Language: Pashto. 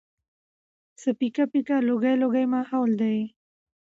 څه پيکه پيکه لوګی لوګی ماحول دی